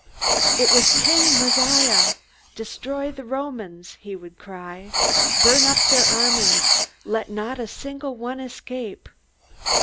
It was King Messiah! "Destroy the Romans!" he would cry. "Burn up their armies! Let not a single one escape!"